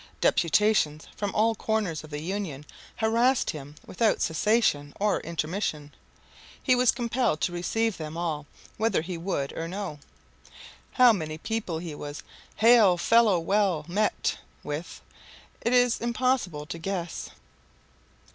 Deputations from all corners of the Union harassed him without cessation or intermission. He was compelled to receive them all, whether he would or no. How many hands he shook, how many people he was "hail fellow well met" with, it is impossible to guess!